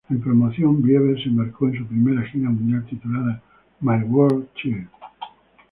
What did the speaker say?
En promoción, Bieber se embarcó en su primera gira mundial titulada "My World Tour".